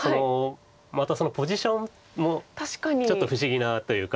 またポジションもちょっと不思議なというか。